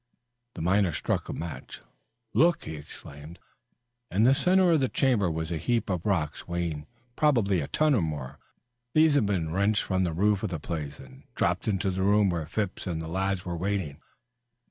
The miner struck a match. "Look!" he exclaimed. In the center of the chamber was a heap of rocks, weighing probably a ton or more. These had been wrenched from the roof of the place and dropped into the room where Phipps and the lads were waiting.